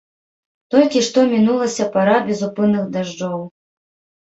Толькі што мінулася пара безупынных дажджоў.